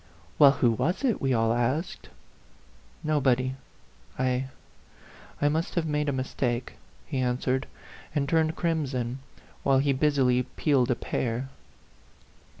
u Well, who was it ?" we all asked. "Nobody. I I must have made a mis A PHANTOM LOVER 103 take," he answered, and turned crimson, while he busily peeled a pear.